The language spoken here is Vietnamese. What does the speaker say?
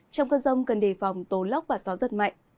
trong cơn rông cần đề phòng tố lốc và gió rất mạnh